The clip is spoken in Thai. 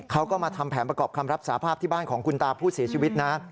เขาก็มาทำแผนประกอบคำรับสาภาพที่บ้านของคุณตาผู้เสียชีวิตนะ